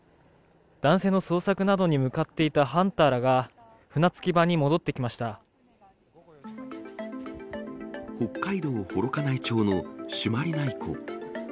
男性の捜索などに向かっていたハンターらが、北海道幌加内町の朱鞠内湖。